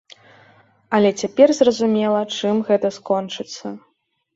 Але цяпер зразумела, чым гэта скончыцца.